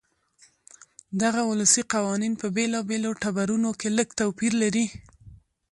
دغه ولسي قوانین په بېلابېلو ټبرونو کې لږ توپیر لري.